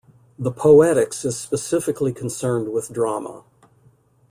The "Poetics" is specifically concerned with drama.